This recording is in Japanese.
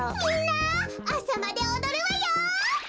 あさまでおどるわよ！